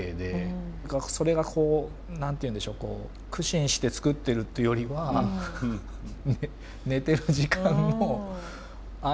それがこう何と言うんでしょう苦心して作ってるってよりは寝てる時間の合間合間で。